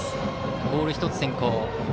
ボール１つ先行。